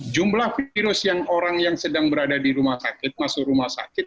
jumlah virus yang orang yang sedang berada di rumah sakit masuk rumah sakit